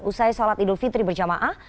usai sholat idul fitri berjamaah